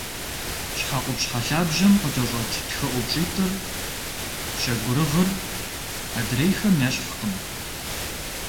Щхьэ къупщхьэ лъабжьэм къыкӏэщӏэт тхыӏупщӏитӏыр – пщэгурыгъыр – адрейхэм ещхькъым.